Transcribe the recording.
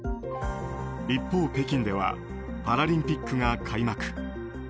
一方、北京ではパラリンピックが開幕。